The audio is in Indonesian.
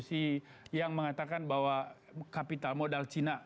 si yang mengatakan bahwa kapital modal cina